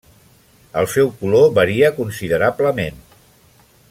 El seu color varia considerablement.